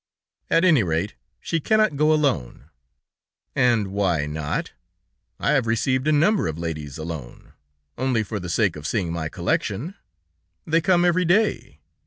"At any rate, she cannot go alone." "And why not? I have received a number of ladies alone, only for the sake of seeing my collection! They come every day.